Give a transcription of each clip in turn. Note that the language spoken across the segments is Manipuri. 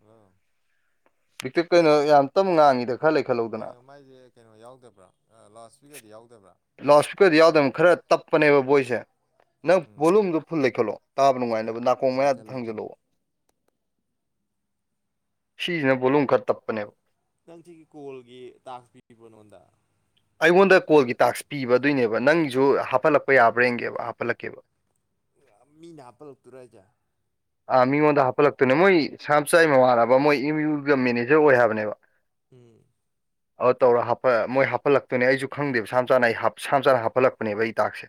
ꯍꯜꯂꯣ ꯍꯧꯖꯤꯛꯇ ꯀꯩꯅꯣ ꯌꯥꯝ ꯇꯞ ꯉꯥꯡꯉꯤꯗ ꯀꯩꯅꯣ ꯃꯥꯏꯁꯦ ꯀꯩꯅꯣ ꯌꯥꯎꯗꯕ꯭ꯔꯥ ꯂꯥꯁ ꯋꯤꯒꯔꯗꯤ ꯌꯥꯎꯗ ꯂꯥꯎꯠ ꯏꯁꯄꯤꯀꯔꯗꯤ ꯌꯥꯎꯗꯕꯅ ꯈꯔ ꯇꯞꯄꯅꯦꯕ ꯕꯣꯏꯁꯦ ꯅꯪ ꯕꯣꯂꯨꯝꯗꯣ ꯐꯨꯜ ꯂꯩꯈꯠꯂꯣ ꯇꯥꯕ ꯅꯨꯡꯉꯥꯏꯅꯕ ꯅꯥꯀꯣꯡ ꯃꯌꯥꯗ ꯊꯥꯡꯖꯤꯜꯂꯛꯑꯣ ꯁꯤꯤꯅ ꯣꯂꯣ ꯈꯔ ꯇꯞꯄꯅꯦꯕ ꯅꯪ ꯁꯤꯒꯤ ꯀꯣꯜꯒꯤ ꯇꯥꯛꯁ ꯄꯤꯕ ꯅꯉꯣꯟꯗ ꯑꯩꯉꯣꯟꯗ ꯀꯣꯜꯒꯤ ꯇꯥꯛꯁ ꯄꯤꯕꯗꯣꯏꯅꯦꯕ ꯅꯪꯁꯨ ꯍꯥꯞꯄꯜꯂꯛꯄ ꯌꯥꯕ꯭ꯔꯒꯦꯕ ꯍꯥꯞꯄꯜꯂꯛꯀꯦꯕ ꯃꯤ ꯅꯅꯥꯄ ꯂ ꯇꯧꯨꯔ ꯆ ꯑ ꯃꯤꯉꯣꯟꯗ ꯍꯥꯞꯄꯠꯂꯛꯇꯣꯏꯅꯦ ꯃꯣꯏ ꯁꯝꯆꯥꯥꯏ ꯃꯃꯥꯅꯕ ꯃꯣꯏ ꯑꯦꯝ ꯌꯨꯒ ꯃꯦꯅꯦꯖꯔ ꯑꯣꯏ ꯍꯥꯏꯕꯅꯦꯕ ꯎꯝ ꯑꯧ ꯇꯧꯔ ꯃꯣꯏ ꯍꯥꯄꯜꯂꯛꯄ ꯑꯗꯨꯅꯦ ꯑꯩꯁꯨ ꯈꯪꯗꯦꯕ ꯏꯁꯥꯝ ꯆꯥꯅ ꯑꯩ ꯏꯁꯥꯝ ꯆꯥꯅ ꯍꯥꯞꯍꯜꯂꯛꯄꯅꯦꯕ ꯑꯩꯇꯥꯛꯁꯦ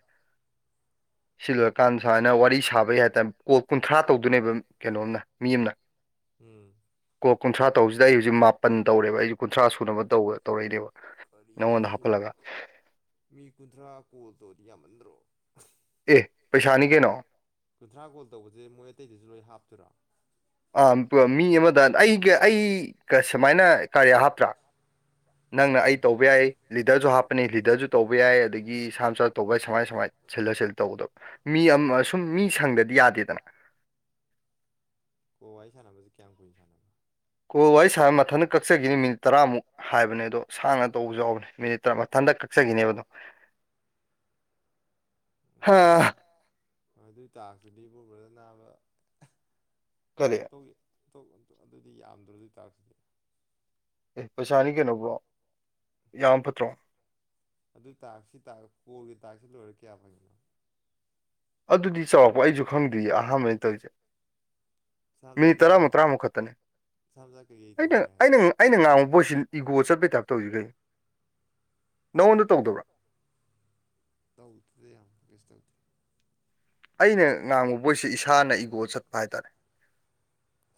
ꯁꯤꯜꯂꯀꯥꯟꯗ ꯁꯨꯃꯥꯏꯅ ꯋꯥꯔꯤ ꯁꯥꯕꯒꯤ ꯍꯥꯏꯇꯥꯔꯦ ꯀꯣꯜ ꯀꯨꯟꯊ꯭ꯔꯥ ꯇꯧꯗꯣꯏꯅꯦꯕ ꯀꯩꯅꯣꯝꯅ ꯃꯤ ꯑꯃꯅ ꯎꯝ ꯀꯣ ꯀꯨꯟꯊ꯭ꯔꯥ ꯇꯧꯁꯤꯗ ꯑꯩ ꯍꯧꯖꯤꯛ ꯃꯥꯄꯟ ꯇꯧꯔꯦꯕ ꯑꯩꯁꯦ ꯀꯨꯟꯊ꯭ꯔꯥ ꯁꯨꯅꯕ ꯇ ꯇꯧꯔꯛꯏꯅꯦꯕ ꯅꯉꯣꯟꯗ ꯍꯥꯞꯄꯂꯒ ꯔꯥ ꯀꯣꯜ ꯇꯧꯔꯤꯌꯥ ꯃꯠꯇꯔꯣ ꯑꯦ ꯄꯩꯁꯥꯅꯤ ꯀꯅꯣ ꯀꯨꯟꯊ꯭ꯔꯥ ꯒꯣꯜ ꯇꯧꯕꯁꯦ ꯃꯣꯏ ꯑꯇꯩꯗꯨꯁꯨ ꯂꯣꯏ ꯍꯥꯞꯇꯣꯏꯔꯣ ꯃꯤ ꯑꯃꯗ ꯑꯩꯒ ꯑꯩꯒ ꯁꯨꯃꯥꯏꯅ ꯀꯔꯤꯌꯥ ꯍꯥꯞꯇ꯭ꯔꯥ ꯅꯪꯅ ꯑꯩ ꯇꯧꯕ ꯌꯥꯏ ꯂꯤꯗꯔꯁꯨ ꯍꯥꯞꯄꯅꯤ ꯂꯤꯗꯔꯁꯨ ꯇꯧꯕ ꯌꯥꯏ ꯑꯗꯒꯤ ꯁꯥꯛ ꯇꯧꯕꯩ ꯁꯃꯥꯏ ꯁꯃꯥꯏꯅꯜꯂꯔꯜ ꯇꯧꯗꯕ ꯃꯤ ꯑꯃ ꯁꯨꯝ ꯃꯤ ꯁꯪꯗꯗꯤ ꯌꯥꯗꯦꯗꯅ ꯀꯣ ꯋꯥꯔꯤ ꯁꯥꯟꯅꯕꯁꯤꯦ ꯀꯌꯥꯝ ꯀꯨꯏꯅ ꯁꯥꯟꯅꯕ ꯀꯣ ꯋꯥꯔꯤ ꯁꯥꯔ ꯃꯊꯟꯗ ꯀꯛꯆꯈꯤꯅꯤ ꯃꯤꯅꯤꯠ ꯇꯔꯥꯃꯨꯛ ꯍꯥꯏꯕꯅꯦ ꯑꯗꯣ ꯁꯥꯡꯅ ꯇꯧꯕꯁꯨ ꯌꯥꯎꯕꯅꯦ ꯃꯤꯅꯤꯠ ꯇꯔꯥꯊ ꯀꯒꯤꯅꯦꯕꯣ ꯍꯥ ꯑꯗꯨꯏ ꯇꯥꯛꯇꯨꯗꯤ ꯕꯣꯔꯕꯔꯗ ꯅꯥꯕ ꯇꯧꯏ ꯑꯗꯨꯗꯤ ꯌꯥꯝꯗ꯭ꯔ ꯑꯗꯨ ꯑꯣꯏ ꯇꯥꯔꯁꯤꯗꯤ ꯑꯦ ꯄꯩꯁꯥꯅꯤ ꯀꯩꯅꯣꯧꯕꯣ ꯌꯥꯝ ꯐꯠꯇ꯭ꯔꯣ ꯑꯗꯨ ꯇꯥꯛꯁꯤ ꯇ ꯀꯣꯜꯒꯤ ꯇꯥꯛꯁꯤ ꯂꯣꯏꯔ ꯀꯌꯥ ꯐꯪꯒꯤꯅꯣ ꯑꯗꯨꯗꯤ ꯆꯥꯎꯔꯥꯛꯄ ꯑꯩꯁꯨ ꯈꯪꯗꯣꯏ ꯑꯍꯥꯟꯕꯩꯅ ꯇꯧꯔꯤꯁꯦ ꯃꯤ ꯇꯔꯥꯃꯨ ꯇꯔꯥꯃꯨꯛ ꯈꯛꯇꯅꯤ ꯑꯩꯅ ꯑꯩꯅ ꯑꯩꯅ ꯉꯥꯡꯕ ꯄꯣꯁꯤ ꯏꯒꯣ ꯆꯠꯄꯩ ꯇꯥꯏꯞꯇꯧꯁꯤꯈꯩ ꯇꯗ ꯌꯥꯝꯁ ꯇ ꯑꯩꯅ ꯉꯥꯡꯕꯨꯕꯣꯏꯁꯤꯦ ꯏꯁꯥꯅ ꯏꯒꯣ ꯆꯠꯄ ꯍꯥꯏ ꯇꯔꯦ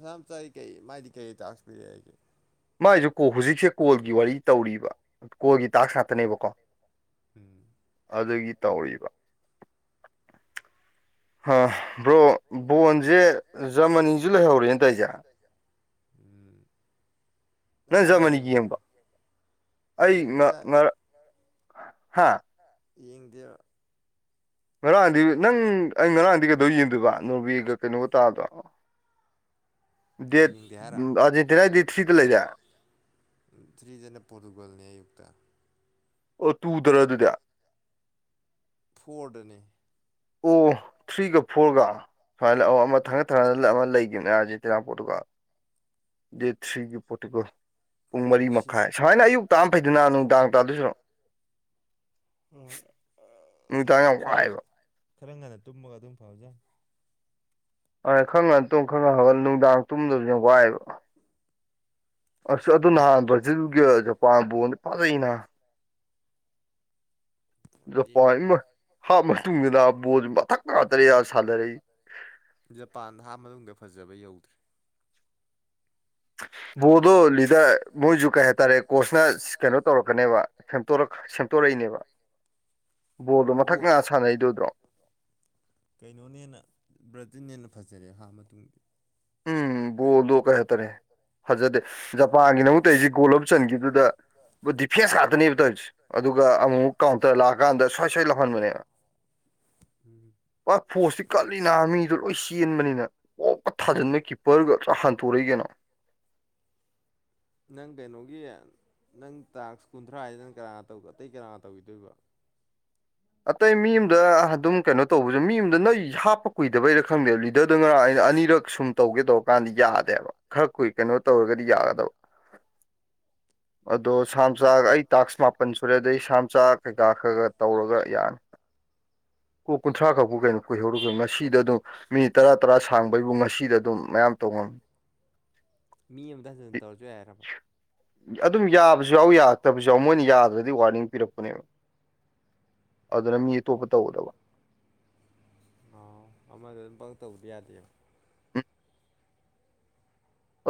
ꯍ ꯆ ꯑꯩ ꯀꯩ ꯃꯥꯗꯤ ꯀꯩ ꯇꯁꯄꯤ ꯍꯥꯏꯦ ꯃꯥꯏꯁꯨ ꯀꯣꯜ ꯍꯧꯖꯤꯛꯁꯦ ꯀꯣꯜꯒꯤ ꯋꯥꯔꯤ ꯇꯧꯔꯤꯕ ꯀꯣꯜꯒꯤ ꯗꯥꯛ ꯉꯥꯛꯇꯅꯦꯕꯀꯣ ꯑꯗꯨꯒꯤ ꯇꯧꯔꯤꯕ ꯑ ꯕ꯭ꯔꯣ ꯕꯣꯟꯁꯦ ꯖꯔꯃꯅꯤꯁꯨ ꯂꯩꯍꯧꯔꯦꯅ ꯇꯥꯏꯖꯥ [unintelligible] ꯅꯪ ꯖꯔꯃꯅꯤ ꯌꯦꯡꯕ ꯑꯩ ꯍꯥꯥ ꯌꯦꯡꯗꯦ ꯉꯔꯥꯡꯗꯤ ꯅꯪ ꯑꯩ ꯉꯔꯥꯡꯗꯤ ꯀꯩꯗꯧ ꯌꯦꯡꯗꯣꯏꯕ ꯅꯣꯔꯕꯤꯒ ꯀꯩꯅꯣꯒ ꯇꯥꯗꯣ ꯗꯦꯠ ꯑꯥꯔꯖꯦꯟꯇꯤꯅꯥꯒꯤ ꯗꯦꯠ ꯊ꯭ꯔꯤꯒ ꯂꯩꯗ ꯊ꯭ꯔꯤꯖꯅ ꯄꯣꯣꯔꯇꯨꯒꯜꯅꯤ ꯌꯨꯛꯇ ꯑꯣ ꯇꯨ ꯗꯔꯗꯗꯌꯥ ꯐꯣꯔꯠꯅꯤ ꯑꯣ ꯊ꯭ꯔꯤꯒ ꯐꯣꯔꯒ ꯁꯨꯃꯥꯏꯅ ꯂ ꯑꯃ ꯊꯪꯒꯠ ꯊꯥꯡꯅ ꯑꯃ ꯂꯩꯈꯤꯕꯅꯦꯁꯤꯦ ꯇꯦꯔꯥ ꯄꯣꯠꯇꯨꯒ ꯗꯦꯠ ꯊ꯭ꯔꯤꯒꯤ ꯄꯣꯇꯀꯣ ꯄꯨꯡ ꯃꯔꯤ ꯃꯈꯥꯏ ꯁꯨꯃꯥꯏꯅ ꯑꯌꯨꯛꯛꯇ ꯑꯃ ꯐꯩꯗꯅ ꯅꯨꯡꯗꯥꯡ ꯇꯥꯗꯣꯏꯁꯤꯔꯛ ꯎꯝ ꯅꯨꯡꯇ ꯌꯥꯝ ꯋꯥꯏꯑꯦꯕ ꯈꯔ ꯉꯟꯅ ꯇꯨꯝꯃꯒ ꯑꯗꯨꯝ ꯐꯥꯎꯖꯦ ꯑ ꯈꯪꯉ ꯇꯨꯝ ꯈꯪꯉ ꯍꯧꯒꯠ ꯅꯨꯡꯗꯥꯡ ꯇꯨꯝꯗꯕꯁꯨ ꯌꯥꯝ ꯋꯥꯏꯦꯕ ꯑꯁ ꯑꯗꯨ ꯅꯍꯥꯟ ꯕ꯭ꯔꯖꯤꯒꯤ ꯖꯄꯥꯟꯕꯨꯗꯤ ꯐꯥꯔꯛꯏꯅ ꯄꯃ [unintelligible] ꯍꯥꯞ ꯃꯇꯨꯡꯗꯅ ꯕꯣꯜꯁꯨ ꯃꯊꯛ ꯉꯥꯇꯔꯦ ꯁꯥꯟꯅꯔꯛꯏ ꯖꯄꯥꯟꯗ ꯍꯥꯞ ꯃꯅꯨꯡꯗꯗ ꯐꯖꯕ ꯌꯧꯗ꯭꯭ꯔꯔꯤ [unintelligible] ꯕꯣꯗꯣ ꯂꯤꯗ ꯃꯣꯏꯁꯨ ꯀꯩ ꯍꯥꯏꯇꯥꯔꯦ ꯀꯣꯆꯅ ꯀꯩꯅꯣ ꯇꯧꯔꯛꯀꯅꯦꯕ ꯁꯦꯝꯠꯇꯣꯔꯛꯏꯅꯦꯕ ꯕꯣꯜꯗꯣ ꯃꯊꯛ ꯉꯥ ꯁꯥꯟꯅꯩꯗꯣꯏꯗ꯭ꯔꯣ ꯀꯩꯅꯣꯅꯦ ꯍꯦꯟꯅ ꯕ꯭ꯔꯇꯟꯅ ꯍꯦꯟꯅ ꯐꯖꯔꯦ ꯍꯥꯔ ꯃꯇꯨꯡꯗꯤ ꯎꯜ ꯂꯣꯛ ꯀ ꯍꯇꯥꯔꯦ ꯐꯖꯗꯦ ꯖꯄꯥꯟꯒꯤꯗꯃꯨꯛꯇ ꯑꯩꯁꯦ ꯒꯣꯜ ꯑꯃ ꯆꯟꯈꯤꯗꯨꯗ ꯗꯤꯐꯦꯟꯁ ꯉꯥꯛꯇꯅꯦꯕ ꯇꯧꯔꯤꯁꯦ ꯑꯗꯨꯒ ꯑꯃꯨꯛ ꯀꯥꯎꯟꯇꯔ ꯂꯥꯛꯑꯀꯥꯟꯗ ꯁ꯭ꯣꯏꯁꯣꯏ ꯂꯧꯍꯟꯕꯅꯦꯕ ꯐꯣꯔꯁꯇꯤ ꯀꯜꯂꯤꯅ ꯃꯤꯗꯣ ꯂꯣꯏ ꯆꯦꯟꯕꯅꯤꯅ ꯄꯣꯛꯄ ꯊꯥꯖꯤꯟꯕ ꯀꯤꯞꯄꯔꯒ ꯆ ꯍꯟ ꯇꯣꯔꯛꯏ ꯀꯅꯣ ꯅꯪ ꯀꯩꯅꯣꯒꯤ ꯅꯪ ꯇꯥꯛ ꯀꯨꯟꯊ꯭ꯔꯥꯁꯤꯗ ꯅꯪ ꯀꯅꯥ ꯑꯇꯩ ꯀꯅꯥꯅ ꯇꯧꯈꯤꯗꯣꯏꯕ ꯑꯇꯩ ꯃꯤ ꯑꯃꯗ ꯑꯗꯨꯝ ꯀꯩꯅꯣ ꯇꯧꯕꯁꯨ ꯃꯤ ꯑꯗ ꯅꯣꯏ ꯍꯥꯞꯄ ꯀꯨꯏꯗꯕꯩꯔ ꯈꯪꯗꯦꯕ ꯂꯤꯗꯔꯗꯨ ꯉꯔ ꯑꯩꯅ ꯑꯅꯤꯔꯛ ꯁꯨꯝ ꯇꯧꯒꯦ ꯇꯧꯔꯀꯥꯟꯗꯤ ꯌꯥꯗꯦꯕ ꯈꯔ ꯀꯨꯏ ꯀꯩꯅꯣ ꯇꯧꯔꯒꯗꯤ ꯌꯥꯒꯗꯕ [unintelligible] [inaudible] ꯑꯗꯣ ꯁꯥꯝ ꯆꯆꯥ ꯑꯩ ꯇꯥꯛꯁ ꯃꯥꯄꯟ ꯁꯨꯔꯦ ꯑꯗꯩ ꯁꯥꯥꯝꯆꯥ ꯀꯩꯀꯥ ꯈꯔ ꯈ ꯇꯧꯔꯒ ꯆ [unintelligible] [inaudible] ꯀꯨ ꯀꯨꯟꯊ꯭ꯔꯥꯈꯛꯄ ꯀꯩꯅꯣ ꯀꯏꯍꯧꯔꯒ ꯉꯁꯤꯗ ꯑꯗꯨꯝ ꯃꯤꯅꯤꯠ ꯇꯔꯥ ꯇꯔꯥ ꯁꯥꯡꯕꯩꯕꯨ ꯉꯁꯤꯗ ꯑꯗꯨꯝ ꯃꯌꯥꯝ ꯇꯉꯣꯟ ꯃꯤ ꯑꯃꯇ ꯍꯖꯅ ꯇꯧꯔꯁꯨ ꯍꯥꯏꯏꯔꯕ ꯑꯗꯨꯝ ꯌꯥꯕꯁꯨ ꯌꯥꯎ ꯌꯥꯔꯛꯇꯕꯁꯨ ꯌꯥꯎ ꯃꯣꯏꯅ ꯌꯥꯗ꯭ꯔꯗꯤ ꯋꯥꯔꯅꯤꯡ ꯄꯤꯔꯛꯄꯅꯦꯕ ꯑꯗꯨꯅ ꯃꯤ ꯑꯇꯣꯞꯄ ꯇꯧꯒꯗꯕ ꯑ ꯑꯃꯗ ꯑꯗꯨꯝ ꯄ ꯇꯕꯨꯗꯤ ꯌꯥꯗꯦꯕ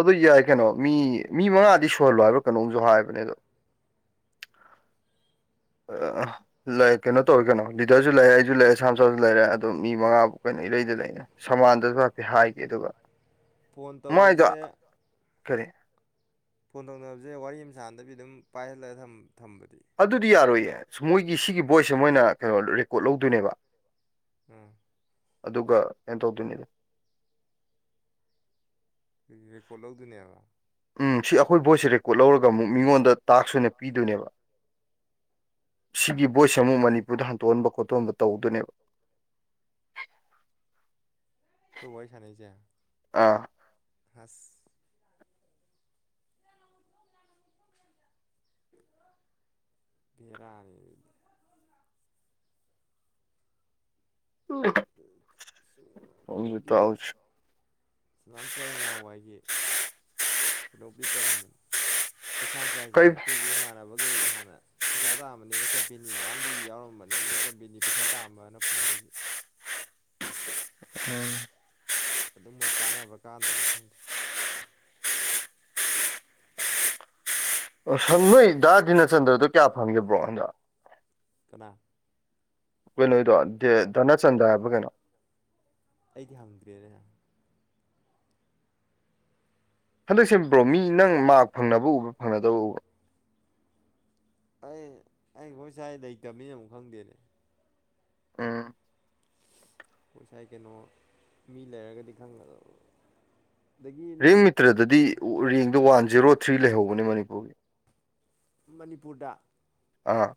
ꯑꯗꯨ ꯌꯥꯏ ꯀꯩꯅꯣ ꯃꯤ ꯃꯤ ꯃꯉꯥꯗꯤ ꯁꯨꯍꯜꯂꯣ ꯍꯥꯏꯕ꯭ꯔꯥ ꯀꯩꯅꯣꯝꯁꯨ ꯍꯥꯏꯕꯅꯦ ꯑꯗꯣ ꯀꯩꯅꯣ ꯇꯧꯋꯤ ꯀꯩꯅꯣ ꯂꯤꯗꯔꯁꯨ ꯂꯩꯔꯦ ꯑꯩꯁꯨ ꯂꯩꯔꯦ ꯁꯥꯥ ꯃꯆꯥꯁꯨ ꯂꯩꯔꯦ ꯑꯗꯣ ꯃꯤ ꯃꯉꯥ ꯑꯩꯈꯣꯏꯅ ꯏꯔꯩꯗ ꯂꯩꯅ ꯁꯃꯥꯟꯗꯁꯨ ꯍꯥꯏꯐꯦꯠ ꯍꯥꯏꯒꯦ ꯑꯗꯨꯒ ꯐꯣꯟ ꯇꯧꯕꯁꯦ ꯈꯔꯦ ꯐꯣꯟ ꯇꯧꯅꯕꯁꯦ ꯋꯥꯔꯤ ꯑꯃꯁꯥꯟꯅꯗꯕꯤ ꯑꯗꯨꯝ ꯄꯥꯏꯍꯜꯂꯒ ꯊ ꯑꯗꯨꯗꯤ ꯌꯥꯔꯣꯏꯌꯦ ꯃꯣꯏꯒꯤ ꯁꯤꯒꯤ ꯚꯣꯏꯁꯁꯦ ꯃꯣꯏꯅ ꯀꯩꯅꯣ ꯔꯦꯀꯣꯔꯠ ꯂꯧꯗꯣꯏꯅꯦꯕ ꯎꯝ ꯑꯗꯨꯒ ꯀꯩꯅ ꯇꯧꯗꯣꯏꯅꯤꯅꯦ ꯍ ꯀꯣꯂꯣ ꯅꯌꯥ ꯎꯝ ꯁꯤ ꯑꯩꯈꯣꯏ ꯚꯣꯏꯁ ꯔꯦꯀꯣꯔꯠ ꯂꯧꯔꯒ ꯑꯃꯨꯛ ꯃꯤꯉꯣꯟꯗ ꯇꯥꯛꯁ ꯑꯣꯏꯅ ꯄꯤꯗꯣꯏꯅꯦꯕ ꯁꯤꯀꯤꯕ ꯚꯣꯏꯁ ꯑꯃꯨꯛ ꯃꯅꯤꯄꯨꯔꯗ ꯍꯟꯇꯣꯛꯍꯟꯕ ꯈꯣꯠꯇꯣꯛꯍꯟꯕ ꯇꯧꯗꯣꯏꯅꯦꯕ ꯊꯕꯩ ꯁꯅꯁꯦ ꯍꯁ ꯕꯦꯔꯥ ꯀꯩꯅꯣꯒꯤ ꯁꯅꯥꯝꯆꯥꯥꯏ ꯉꯍꯋꯥꯏꯒꯤ ꯀꯩꯅꯣꯕꯨꯗꯤ ꯇꯧꯔꯝꯕꯅꯦ ꯑꯁꯥ ꯃꯆꯥꯁꯤꯅꯦ ꯑꯩꯈꯣꯏꯁꯤꯗ ꯏꯃꯥꯟꯅꯕꯈꯩ ꯍꯍꯥꯟꯅ ꯅ ꯄꯩꯁꯥ ꯇꯥꯝꯕꯅꯤꯅ ꯀꯝꯄꯦꯅꯤ ꯃꯌꯥꯝꯗꯤ ꯌꯥꯎꯔꯝꯕꯅꯦ ꯃꯣꯏ ꯀꯝꯄꯦꯅꯤ ꯄꯩꯁꯥ ꯇꯥꯝꯕꯅ ꯐꯣꯟꯗꯒꯤ ꯎꯝ ꯑꯗꯨꯝ ꯃꯣꯏ ꯀꯥꯟꯅꯕ꯭ꯔꯥ ꯀꯥꯟꯗꯕ ꯈꯪꯗ꯭ꯔꯦ ꯅꯣꯏ ꯗꯥ ꯗꯤꯅꯆꯟꯗ꯭ꯔꯗꯨꯣ ꯀꯌꯥ ꯐꯪꯒꯦꯕ꯭ꯔꯣ ꯍꯟꯗ ꯀꯅꯥ ꯀꯩꯅꯣꯗꯣ ꯙꯅꯆꯟꯗ꯭ꯔ ꯍꯥꯏꯕ ꯀꯩꯅꯣ ꯍꯟꯗꯛꯁꯦ ꯕ꯭ꯔꯣꯃꯤ ꯅꯪ ꯃꯥꯔꯛ ꯐꯪꯅꯕ ꯎꯕ꯭ꯔꯥ ꯐꯪꯅꯗꯕ ꯎꯕ꯭ꯔꯥ ꯑꯩ ꯑꯩ ꯍꯈꯣꯏ ꯁꯥꯏ ꯂꯩꯇꯕꯅꯤꯅ ꯑꯃꯨꯛ ꯈꯪꯗꯦꯅꯦ ꯄꯁꯥꯏ ꯀꯩꯅꯣ ꯃꯤ ꯂꯩꯔꯒꯗꯤ ꯈꯪꯒꯗꯕ ꯔꯦꯡ ꯃꯤꯇ꯭ꯔꯗꯗꯤ ꯔꯦꯡꯗꯣ ꯋꯥꯟ ꯖꯦꯔꯣ ꯊ꯭ꯔꯤ ꯂꯩꯍꯧꯕꯅꯦ ꯃꯅꯤꯄꯨꯔꯒꯤ ꯃꯅꯤꯄꯨꯔꯗ ꯑꯥ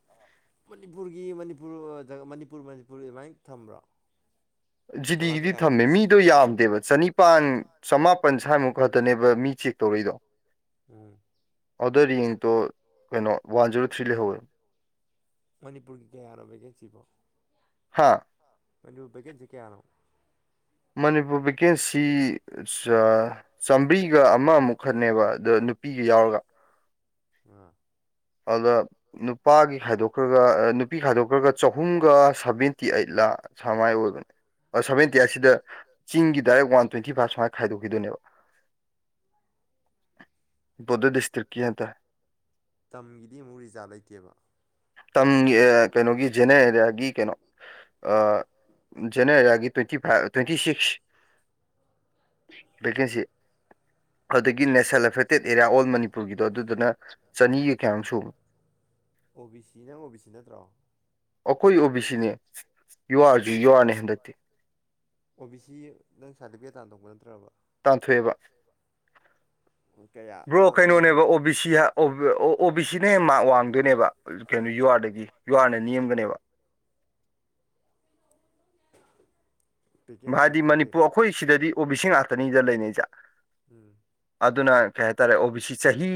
ꯃꯅꯤꯄꯨꯔꯒꯤ ꯃꯅꯤꯄꯨꯔꯖ ꯃꯅꯤꯄꯨꯔ ꯃꯅꯤꯄꯨꯔ ꯑꯗꯨꯃꯥꯏꯅ ꯊꯝꯕ꯭ꯔꯣ ꯖꯤꯗꯤꯒꯤꯗꯤ ꯊꯝꯃꯦ ꯃꯤꯗꯣ ꯌꯥꯝꯗꯦꯕ ꯆꯅꯤ ꯅꯤꯄꯥꯟ ꯆꯃꯥꯄꯜ ꯁ꯭ꯋꯥꯏꯃꯨꯛ ꯈꯛꯇꯅꯦꯕ ꯃꯤ ꯆꯦꯛ ꯇꯧꯔꯛꯏꯗꯣ ꯎꯝ ꯑꯣꯗꯔ ꯔꯦꯡꯇꯣ ꯀꯩꯅꯣ ꯋꯥꯟ ꯖꯦꯔꯣ ꯊ꯭ꯔꯤ ꯂꯩꯍꯧꯋꯦ ꯃꯅꯤꯄꯨꯔꯒꯤ ꯀꯌꯥꯌꯥꯔꯕꯒꯦ ꯁꯤꯕꯣ ꯍꯥꯥ ꯃꯩꯅ ꯔꯨꯕꯒ ꯆ ꯀꯌꯥꯅꯣ ꯃꯅꯤꯄꯨꯔ ꯚꯦꯀꯦꯟꯁꯤ ꯆꯥꯝꯃ꯭ꯔꯤꯒ ꯑꯃꯃꯨꯛꯈꯛꯅꯦꯕ ꯑ ꯅꯨꯄꯤꯒ ꯌꯥꯎꯔꯒ [inaudible] ꯑꯗꯨꯗ ꯅꯨꯄꯥꯒꯤ ꯈꯥꯏꯗꯣꯛꯈ꯭ꯔꯒ ꯅꯨꯄꯤ ꯈꯥꯏꯗꯣꯛꯈ꯭ꯔꯒ ꯆꯍꯨꯝꯒ ꯁꯚꯦꯟꯇꯤ ꯑꯩꯠ ꯂꯥꯛ ꯁꯥꯏ ꯑꯣꯏ ꯁ ꯏꯟꯗꯤꯌꯥꯁꯤꯗ ꯆꯤꯡꯒꯤ ꯗꯥꯏꯔꯦꯛ ꯋꯥꯟ ꯇ꯭ꯋꯦꯟꯇꯤ ꯐꯥꯏꯚ ꯁꯨꯃꯥꯏꯅ ꯈꯥꯏꯗꯣꯛꯈꯤꯗꯣꯏꯅꯦꯕ ꯇꯣꯇꯦꯜ ꯗꯤꯁꯇꯔꯤꯛ ꯀꯤ ꯍꯥꯏ ꯇꯔꯦ ꯇꯝꯒꯤꯗꯤ ꯑꯃꯨꯛ ꯔꯤꯖꯥꯠ ꯂꯩꯇꯦꯕ ꯇꯝꯒꯤ ꯀꯩꯅꯣꯒꯤ ꯖꯦꯅꯦ ꯑꯦꯔꯤꯌꯥꯒꯤ ꯀꯩꯅꯣ꯫꯫ ꯖꯅꯋꯥꯔꯤꯒꯤ twenty five twenty six vacancy ꯑꯗꯨꯗꯒꯤ ꯅꯦꯁꯦꯜ ꯑꯦꯐꯦꯛꯇꯦꯠ ꯑꯦꯔꯤꯌꯥ ꯑꯣꯜ ꯃꯅꯤꯄꯨꯔꯒꯤꯗꯣ ꯑꯗꯨꯗꯨꯅ ꯆꯅꯤꯒ ꯀꯌꯥꯃꯨꯛ ꯁꯨ [inaudible] ꯑꯣ ꯕꯤ ꯁꯤ ꯅꯪ ꯑꯣ ꯕꯤ ꯁꯤ ꯅꯠꯇ꯭ꯔꯣ ꯑꯩꯈꯣꯏ ꯑꯣ ꯕꯤ ꯁꯤꯅꯦ ꯌꯨꯍꯔꯁꯨ ꯌꯨꯍꯅ ꯍꯟꯗꯠꯇꯦ ꯑꯣ ꯕꯤ ꯁꯤ ꯅꯪ ꯁꯥꯔꯇꯤꯐꯤꯀꯦꯠ ꯇꯥꯟꯊꯣꯛꯄ ꯅꯠꯇ꯭ꯔꯕ ꯇꯥꯟꯊꯣꯛꯑꯦꯕ ꯕ꯭ꯔꯣ ꯀꯩꯅꯣꯅꯦꯕ ꯑꯣ ꯕꯤ ꯁꯤ ꯑꯣ ꯕꯤ ꯁꯤꯅ ꯍꯦ ꯃꯥꯛꯔ ꯋꯥꯡꯗꯣꯏꯅꯦꯕ ꯀꯩꯅꯣ ꯌꯨ ꯑꯥꯔꯗꯒꯤ ꯌꯨꯍꯥꯔꯅ ꯅꯤꯝꯒꯅꯦꯕ ꯍꯥꯏꯗꯤ ꯃꯅꯤꯄꯨꯔ ꯑꯩꯈꯣꯏ ꯁꯤꯗꯗꯤ ꯑꯣ ꯕꯤꯁꯤꯡ ꯉꯥꯛꯇꯅꯤꯗ ꯂꯩꯅꯩꯁꯦ ꯎꯝ ꯑꯗꯨꯅ ꯀꯩ ꯍꯥꯏꯇꯥꯔꯦ ꯑꯣ ꯕꯤ ꯁꯤ ꯆꯍꯤ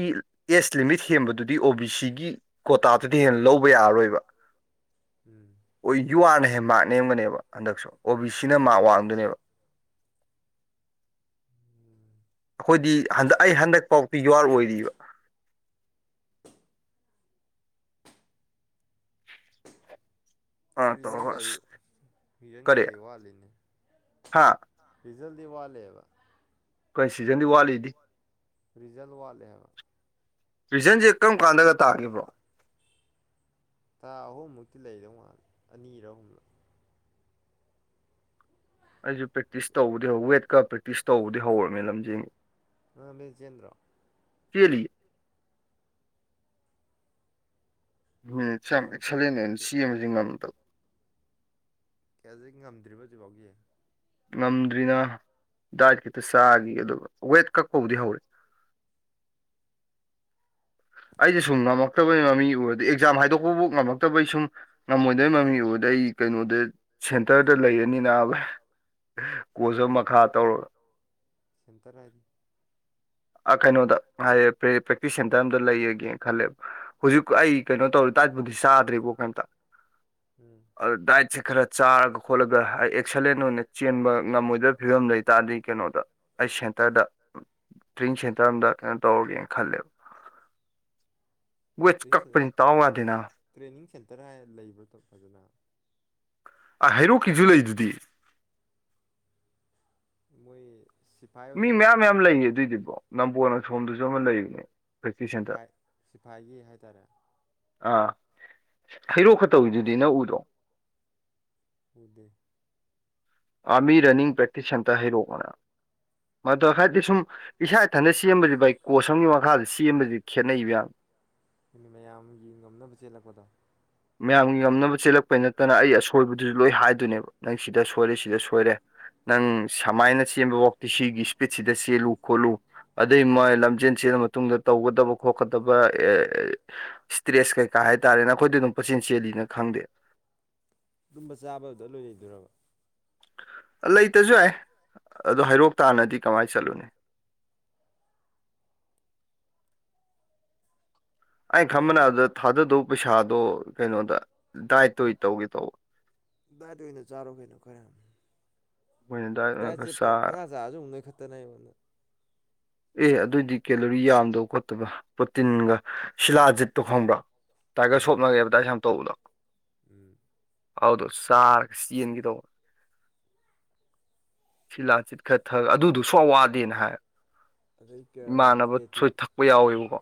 ꯑꯦꯁ ꯂꯤꯃꯤꯠ ꯍꯦꯟꯕꯗꯨꯗꯤ ꯑꯣ ꯕꯤ ꯁꯤꯒꯤ ꯀꯣꯇꯥꯗꯨꯗꯤ ꯍꯦꯜꯂ ꯂꯧꯕ ꯌꯥꯔꯔꯣꯏꯕ ꯌꯨ ꯑꯥꯔꯅ ꯍꯦꯃꯔ ꯅꯦꯝꯕꯅꯦꯕ ꯍꯟꯗꯛꯁꯨ ꯑꯣ ꯕꯤ ꯁꯤ ꯁꯤꯅ ꯃꯥ ꯋꯥꯡꯗꯅꯦꯕ ꯑꯩꯈꯣꯏꯗꯤ ꯍꯟꯗꯛ ꯑꯩ ꯍꯟꯗꯛ ꯐꯥꯎꯇꯤ ꯌꯨꯍꯔ ꯑꯣꯏꯔꯤꯕ [inaudible] ꯑꯥ ꯇꯧꯔꯒ ꯑꯁ ꯀꯔꯤ ꯍꯥꯥ ꯔꯤꯖꯜꯗꯤꯋꯥꯂꯕ ꯁꯤꯖꯟꯗꯤ ꯋꯥꯠꯂꯤꯗꯤ ꯔꯤꯖꯜ ꯋꯥꯦ ꯍꯥꯏꯕ ꯔꯤꯖꯟꯁꯦ ꯀꯔꯝ ꯀꯥꯟꯗꯒ ꯇꯥꯈꯤꯕ꯭ꯔꯣ ꯇꯥ ꯑꯍꯨꯝꯃꯨꯛꯇꯤ ꯂꯩꯗꯧ ꯃꯥꯜꯂ ꯑꯅꯤꯔ ꯑꯍꯨꯝꯂꯛ ꯑꯩꯁꯨ ꯄ꯭ꯔꯦꯛꯇꯤꯁ ꯇꯧꯕꯗꯤ ꯍꯧ ꯋꯦꯠꯀ ꯄ꯭ꯔꯦꯛꯇꯤꯁ ꯇꯧꯕꯗꯤ ꯍꯧꯔꯕꯅꯤ ꯂꯝꯖꯦꯟꯒꯤ ꯑ ꯕꯤꯖꯦꯟꯗ꯭ꯔ ꯀꯦꯂꯤ ꯎꯝ ꯁꯤ ꯌꯥꯝ ꯑꯦꯛꯁꯂꯦꯟ ꯑꯣꯏꯅ ꯑꯣꯏꯅ ꯁꯤꯕꯕꯁꯤ ꯉꯝꯗꯕ ꯀꯦꯖꯤꯛ ꯉꯝꯗ꯭ꯔꯤꯕꯖꯤ ꯐꯥꯎꯒꯤ ꯉꯝꯗ꯭ꯔꯤꯅ ꯗꯥꯏꯠ ꯈꯤꯇ ꯆꯥꯈꯤ ꯑꯗꯨꯒ ꯋꯦꯠ ꯀ ꯀꯧꯗꯤ ꯍꯧꯔꯦ ꯑꯩꯗꯤꯦ ꯁꯨꯡ ꯃꯛꯛꯇꯕ ꯉꯝꯣꯏ ꯃ ꯑꯩ ꯀꯩꯅꯣꯔ ꯈꯗ ꯂꯩꯔꯅꯤꯅ ꯀꯣꯁ ꯃꯈꯥ ꯇꯧꯔꯒ ꯁꯤꯇꯔ ꯍꯥꯏꯗꯤ ꯑ ꯀꯥꯏꯩꯅꯣꯗ ꯄꯦꯛꯇꯁꯤꯟ ꯂꯩꯒꯦꯅ ꯈꯜꯂꯦꯕ ꯍꯧꯖꯤꯛ ꯑꯩ ꯀꯩꯅꯣ ꯇꯧꯔ ꯇꯥꯄꯕꯨꯗꯤ ꯆꯥꯗ꯭ꯔꯤꯕꯣ ꯀꯩꯝꯇ ꯎꯝ ꯗꯥꯏꯠꯁꯦ ꯈꯔ ꯆꯥꯔꯒ ꯈꯣꯠꯂꯒ ꯑꯦꯛꯁꯂꯦꯟ ꯑꯣꯏꯅ ꯆꯦꯟꯕ ꯉꯝꯃꯣꯏꯗꯕ ꯐꯤꯕꯝ ꯂꯩꯇꯥꯥꯔꯗꯤ ꯀꯩꯅꯣꯗ ꯑꯩ ꯁꯦꯟꯇꯔꯗ ꯇꯔꯤ ꯁꯦꯟ ꯀꯩꯅꯣ ꯇꯧꯒꯦ ꯈꯜꯂꯦ ꯋ ꯆ ꯀꯛꯄꯔꯤꯇꯥꯗꯅ ꯇꯔꯥ ꯂꯩꯕ ꯑꯗꯨꯅ ꯑ ꯍꯩꯔꯣꯛꯀꯤꯁꯨ ꯂꯩꯗꯨꯗꯤ ꯃꯣꯏ ꯃꯤ ꯃꯌꯥꯝ ꯃꯌꯥꯝ ꯂꯩꯌꯦ ꯑꯗꯨꯏꯗꯨꯕꯣ ꯅꯝꯕꯣꯅ ꯁꯣꯝꯗꯨꯁꯨ ꯑꯃ ꯂꯩꯕꯅꯦ ꯐꯥꯏ ꯁꯤꯐꯥꯏꯒꯤ ꯍꯥꯏꯇꯥꯔꯦ ꯍꯩꯔꯣꯛ ꯈꯛꯇꯧꯔꯤꯗꯨꯗꯤ ꯅꯪ ꯎꯗꯣ ꯑꯃꯤ ꯔꯅꯤꯡ ꯄꯦꯛꯇꯁ ꯁꯟꯇ ꯍꯔꯣꯅꯥ ꯃꯗꯨ ꯍꯥꯏꯗꯤ ꯁꯨꯝ ꯏꯁꯥ ꯏꯊꯟꯇ ꯁꯦꯝꯕꯁꯤ ꯚꯥꯏ ꯀꯣꯁ ꯑꯃꯒꯤ ꯃꯈꯥꯗ ꯁꯦꯝꯕꯁꯤ ꯈꯦꯠꯅꯩꯕ ꯌꯥ ꯑꯅꯤ ꯃꯌꯥꯝꯒꯤ ꯉꯝꯅꯕ ꯆꯦꯜꯂꯛꯄꯗꯣ ꯉꯝꯅꯕ ꯆꯦꯜꯂꯛꯄꯩ ꯅꯠꯇꯅ ꯑꯩ ꯑꯁꯣꯏꯕꯗꯨꯁꯨ ꯂꯣꯏ ꯍꯥꯏꯗꯣꯏꯅꯦꯕ ꯅꯪ ꯁꯤꯗ ꯁꯣꯏꯔꯦ ꯁꯤꯗ ꯁꯣꯏꯔꯦ ꯅꯪ ꯁꯃꯥꯏꯅ ꯆꯦꯟꯕ ꯐꯥꯎꯇꯤ ꯁꯤꯒꯤ ꯏꯁꯄꯤꯠꯁꯤꯗ ꯆꯦꯜꯂꯨ ꯈꯣꯠꯂꯨ ꯑꯗꯨꯏ ꯃꯣꯏ ꯂꯝꯖꯦꯜ ꯆ ꯃꯇꯨꯡꯗ ꯇꯧꯕ ꯈꯣꯠꯀꯗꯕ ꯏꯁꯇ꯭ꯔꯦꯁ ꯀꯩꯀꯥ ꯍꯥꯏꯇꯥꯔꯦꯅꯦ ꯑꯩꯈꯣꯏꯗꯤ ꯑꯗꯨꯝ ꯄꯆꯦꯟ ꯆꯦꯜꯂꯤꯅ ꯈꯪꯗꯦ [inaudible] ꯇꯨꯝꯕ ꯆꯥꯕꯗꯨꯗ ꯂꯣꯏꯔ ꯂꯩꯗꯣꯏꯔꯥ ꯂꯩꯇꯁꯨ ꯌꯥꯏ ꯑꯗ ꯍꯔꯣꯛ ꯇꯥꯅꯗꯤ ꯀꯃꯥꯏꯅ ꯆꯠꯂꯨꯅꯤ [inaudible] ꯑꯩꯅ ꯈꯝꯕꯅ ꯑꯗꯨꯗ ꯊꯥꯗꯗꯧꯕ ꯄꯩꯁꯥꯗꯣ ꯀꯩꯅꯣꯗ ꯗꯥꯏꯇꯣꯏ ꯇꯧꯒꯦ ꯇꯧꯕ ꯗꯥꯏꯗ ꯑꯣꯏꯅꯣ ꯆꯥꯔꯣ ꯀꯩꯅꯣ ꯈꯔ ꯌꯥꯏꯁꯦ ꯄꯉꯥꯁ ꯑꯖꯤꯅꯩ ꯈꯠꯇꯔ ꯅ ꯃꯅ ꯀꯦꯂꯣꯔꯤ ꯌꯥꯝꯗꯕ ꯈꯣꯠꯇꯕ ꯄ꯭ꯔꯣꯇꯤꯟꯒ ꯁꯤꯂꯥꯖꯤꯠꯠꯇꯣ ꯈꯪꯕ꯭ꯔꯥ ꯇꯥꯏꯒꯔ ꯁꯣꯞꯅ ꯑꯦꯚꯔꯇꯥꯏꯁ ꯌꯥꯝ ꯇꯧꯕꯗꯣ ꯑꯗꯨꯗꯣ ꯆꯥꯔꯒ ꯆꯦꯟꯒꯦ ꯇꯧꯕ ꯁꯤꯂꯥ ꯆꯤꯠ ꯈꯔ ꯊꯛ ꯑꯗꯨꯗꯨꯁꯨ ꯑꯋꯥꯗꯦꯅ ꯍꯥꯏ ꯏꯃꯥꯟꯅꯕ ꯁꯣꯏ ꯊꯛꯄ ꯌꯥꯎꯋꯦꯕꯀꯣ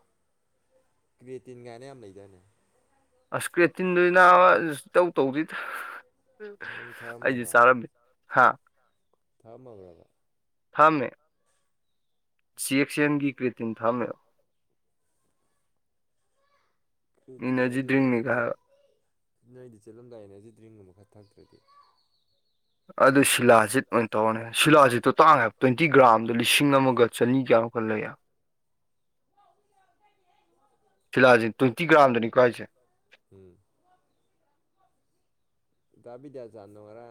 ꯀ꯭ꯔꯤꯇꯤꯟꯒꯒꯥꯅꯦ ꯌꯥꯝ ꯂꯩꯖꯅꯦ ꯑꯁꯀ꯭ꯔꯦꯠ ꯇꯤꯟꯗꯣꯏꯅꯥꯇꯧ ꯇꯧꯗꯣꯏꯗ ꯑꯩꯁꯨ ꯆꯥꯔꯝꯃꯤ ꯍꯥ ꯊꯃꯕꯕ ꯊꯥꯝꯃꯦ ꯆꯦꯛꯁꯟꯒꯤ ꯀ꯭ꯔꯤꯇꯤꯟ ꯊꯥꯝꯃꯦꯨ ꯏꯅꯔꯖꯤ ꯗ꯭ꯔꯤꯡꯛꯅꯤ ꯀꯥ ꯅꯣꯏꯗꯤ ꯆꯦꯜꯠꯂꯝꯗꯥꯏ ꯑꯦꯅꯔꯖꯤ ꯗ꯭ꯔꯤꯡ ꯑꯃꯈꯛ ꯊꯛꯇ꯭ꯔꯗꯤ ꯑꯗꯨ ꯁꯤꯂꯥꯖꯤꯠ ꯑꯣꯏꯅ ꯇꯧꯔꯅꯦ ꯁꯤꯂꯥꯖꯤꯠꯇꯣ ꯇꯥꯡꯉꯦꯕ ꯇ꯭ꯋꯦꯟꯇꯤ ꯒ꯭ꯔꯥꯝꯗ ꯂꯤꯁꯤꯡ ꯑꯃꯒ ꯆꯅꯤꯒ ꯀꯂ ꯁꯤꯂꯥꯁꯤ ꯇ꯭ꯋꯦꯟꯇꯤ ꯒ꯭ꯔꯥꯝꯗꯅꯤꯀꯣ ꯍꯥꯏꯁꯦ ꯎꯝ ꯗꯥ ꯗꯤꯌꯥꯖꯥ ꯅꯉꯔꯥ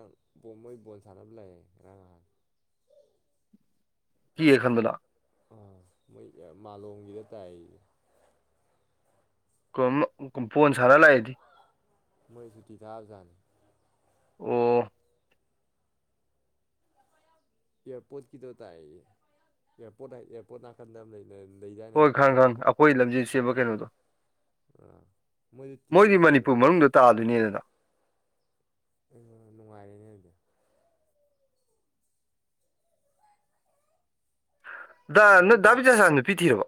ꯣꯃꯩ ꯣꯟ ꯁꯥꯟꯅꯕ ꯂꯩ ꯔꯥꯥ ꯀ ꯑꯦ ꯈꯟꯗꯅ ꯑꯥ ꯃꯣꯏ ꯃꯥꯂꯣꯝꯒꯤꯗ ꯇꯥꯏꯅꯦ ꯀ ꯐꯣꯟꯣꯟ ꯁꯅ ꯂꯑꯗꯤ ꯃꯩꯁꯨꯗꯤꯗꯖꯅꯤ ꯑꯣ ꯑꯦ ꯄꯣꯠ ꯀꯗꯣ ꯇꯥꯏ ꯄꯣꯠ ꯑꯦ ꯄꯣꯠꯅꯥꯀꯟꯗ ꯂꯩ ꯍꯣꯏ ꯈꯪ ꯈꯥꯡ ꯑꯩꯈꯣꯏ ꯂꯝꯖꯦꯜ ꯁꯦꯝꯦꯕ ꯀꯩꯅꯣꯗꯣ ꯃꯣꯏꯗꯤ ꯃꯅꯤꯄꯨꯔ ꯃꯅꯨꯡꯗ ꯇꯥꯗꯣꯏꯅꯦꯗꯅ ꯑꯣ ꯅꯨꯡꯉꯥꯏꯔꯦꯅꯦ ꯑꯗꯨꯗꯤ ꯅ ꯗꯥꯕꯤ ꯆꯁꯥꯡꯗꯨꯣ ꯄꯤꯊꯤꯔꯕ